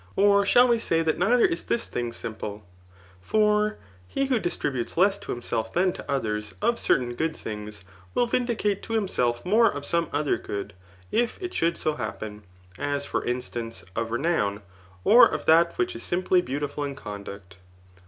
Or shall we say that neither is this thing simple ? For he who dis tributes less to himself than to others [of certain good things,] win vindicate to himself more of some other good, if it should so happen ; as for instance, of renown, 6r of that which is simply beautiful in conduct.